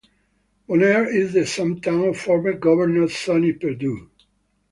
Bonaire is the hometown of former Governor Sonny Perdue.